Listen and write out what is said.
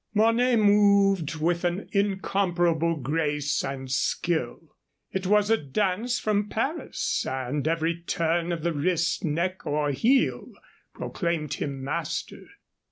Mornay moved with an incomparable grace and skill. It was a dance from Paris, and every turn of the wrist, neck, or heel proclaimed him master.